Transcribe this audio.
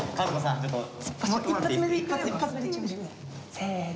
せの。